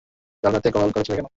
কাল রাতে কল করেছিলে কেন?